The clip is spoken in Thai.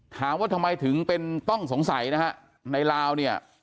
ถามว่าทำไมถึงเป็นต้องสงสัยนะฮะในลาวเนี่ย